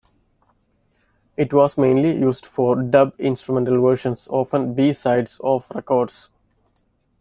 It was mainly used for dub instrumental versions, often b-sides of records.